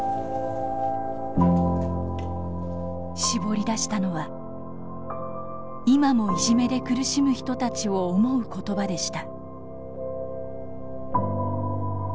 絞り出したのは今もいじめで苦しむ人たちを思う言葉でした。